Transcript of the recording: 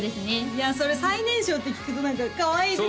いやそれ最年少って聞くと何かかわいいですね